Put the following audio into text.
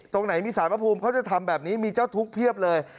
ตรงไหนมีสารพระภูมิเขาจะทำแบบนี้มีเจ้าทุกข์เพียบเลย